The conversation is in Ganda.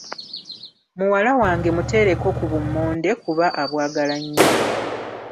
Muwala wange muteereko ku bummonde kuba abwagala nnyo.